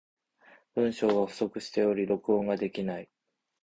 文章が不足しており、録音ができない。